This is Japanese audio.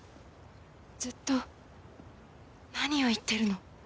ずっと何を言ってるの？